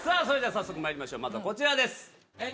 それでは早速まいりましょうまずはこちらです。